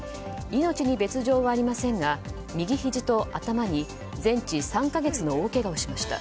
命に別条はありませんが右ひじと頭に全治３か月の大けがをしました。